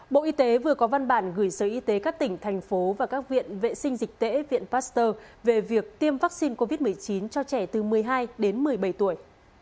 bộ y tế vừa có văn bản gửi sở y tế các tỉnh thành phố và các viện vệ sinh dịch tễ viện pasteur về việc tiêm vaccine covid một mươi chín cho trẻ từ một mươi hai đến một mươi bảy tuổi